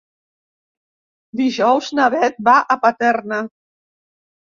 Dijous na Beth va a Paterna.